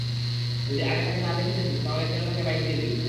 যদি আগে তাকে না দেখে থাকিস, তাহলে কেন তাকে বাইক দিয়ে দিলি?